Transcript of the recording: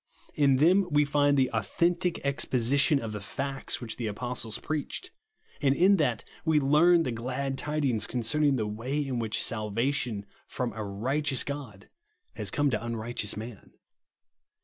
In them we find the authentic exposition of the fads which the apostles preached ; and in that we learn the glad tidings concerning the way in which salvation from a righteous God has come to unrighteous man.